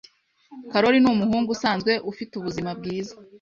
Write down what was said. Karoli numuhungu usanzwe, ufite ubuzima bwiza.